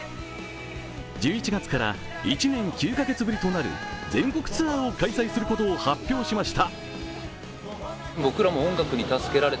１１月から１年９カ月ぶりとなる全国ツアーを開催することを発表しました。